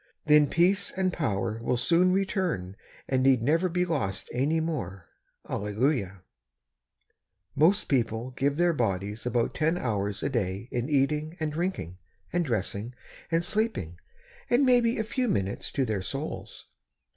Then peace and power will soon return, and need never be lost any more. Hallelujah ! Most people give their bodies about ten hours a day in eating, and drinking, and dressing, and sleeping, and maybe a few minutes to their souls.